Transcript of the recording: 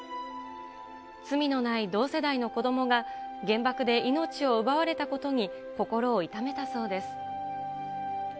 罪のない同世代の子どもが原爆で命を奪われたことに、心を痛めたそうです。